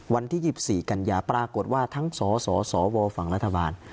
วันที่๒๔กันยาปรากฏว่าทั้งสสวฝั่งรัฐบาล